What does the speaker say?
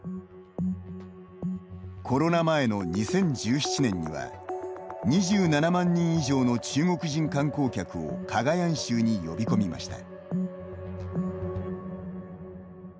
コロナ前の２０１７年には２７万人以上の中国人観光客をカガヤン州に呼び込みました。